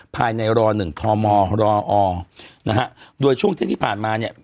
ภายในรอหนึ่งทอมอร์รออร์นะฮะโดยช่วงเท่าที่ผ่านมาเนี้ย